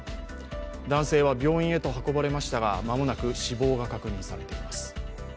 男性は病院へと運ばれましたが間もなく死亡が確認されています。